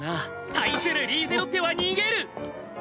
対するリーゼロッテは逃げる！